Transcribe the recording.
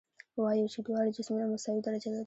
وایو چې دواړه جسمونه مساوي درجه لري.